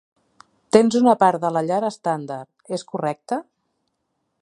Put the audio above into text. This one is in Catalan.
Tens una part de la llar estàndard, és correcte?